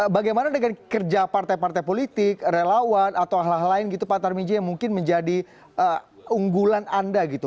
bagaimana dengan kerja partai partai politik relawan atau hal hal lain gitu pak tarmizi yang mungkin menjadi unggulan anda gitu